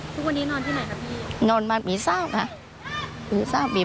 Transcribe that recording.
พวกนี้นอนที่ไหนครับพี่